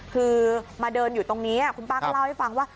คือมาเดินอยู่ตรงนี้คุณป้าก็เล่าให้ฟังว่า